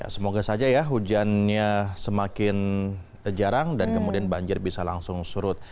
semoga saja ya hujannya semakin jarang dan kemudian banjir bisa langsung surut